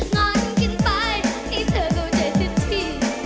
งอนกินไปไอ้เธอก็เจอทิศที